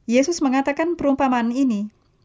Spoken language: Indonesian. yesus mengatakan perumpamaan ini